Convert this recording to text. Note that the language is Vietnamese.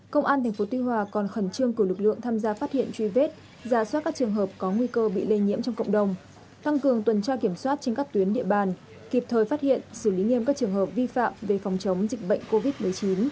công an tp tuy hòa còn khẩn trương cử lực lượng tham gia phát hiện truy vết giả soát các trường hợp có nguy cơ bị lây nhiễm trong cộng đồng tăng cường tuần tra kiểm soát trên các tuyến địa bàn kịp thời phát hiện xử lý nghiêm các trường hợp vi phạm về phòng chống dịch bệnh covid một mươi chín